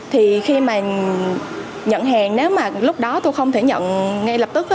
thì khi mà nhận hàng nếu mà lúc đó tôi không thể nhận ngay lập tức